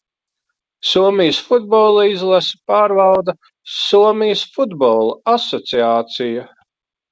Somijas futbola izlasi pārvalda Somijas Futbola asociācija.